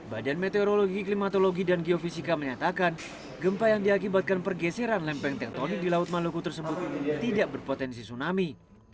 badan meteorologi klimatologi dan geofisika menyatakan gempa yang diakibatkan pergeseran lempeng tektonik di laut maluku tersebut tidak berpotensi tsunami